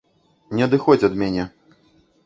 Не адыходзь ад мяне.